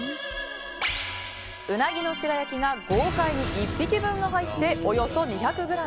うなぎの白焼きが豪快に１匹分が入っておよそ２００ｇ。